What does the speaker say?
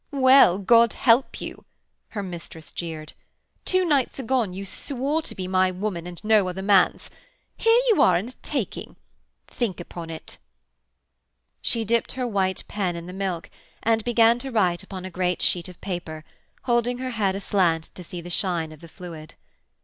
'Well, God help you,' her mistress jeered. 'Two nights agone you swore to be my woman and no other man's. Here you are in a taking. Think upon it.' She dipped her white pen in the milk and began to write upon a great sheet of paper, holding her head aslant to see the shine of the fluid.